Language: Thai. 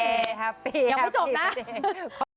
ยังไม่จบนะ